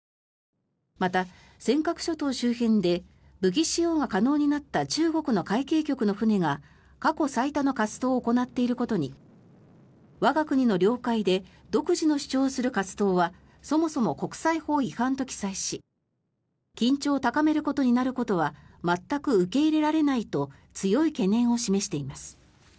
また、尖閣諸島周辺で武器使用が可能になった中国の海警局の船が過去最多の活動を行っていることに我が国の領海で独自の主張をする活動はそもそも国際法違反と記載し緊張を高めることになることは全く受け入れられないと強い懸念を示しています。